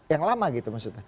yang lama gitu maksudnya